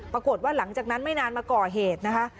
ปรากฏว่าหลังจากนั้นไม่นานมาก่อเหตุนะคะ